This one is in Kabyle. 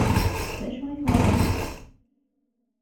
D acu i twalam?